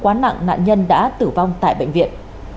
quá nặng nạn nhân đã tử vong tại bệnh viện